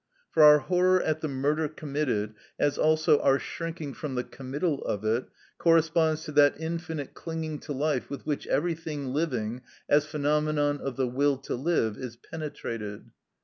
For our horror at the murder committed, as also our shrinking from the committal of it, corresponds to that infinite clinging to life with which everything living, as phenomenon of the will to live, is penetrated.